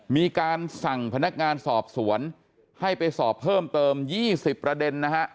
มีการสั่งพนักงานสอบสวนให้ไปสอบเพิ่มเติม๒๐ประเด็นนะฮะ